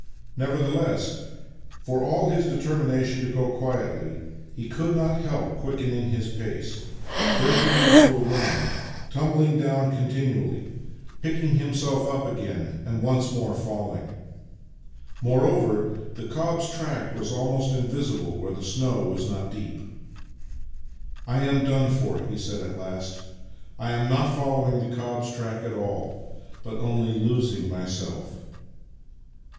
Nevertheless, for all his determination to go quietly, he could not help quickening his pace, breaking into a run, tumbling down continually, picking himself 56 Master and Man up again, and once more falling. Moreover, the cob's track was almost invisible where the snow was not deep. " I am done for! " he said at last. " I am not following the cob's track at all, but only losing my self."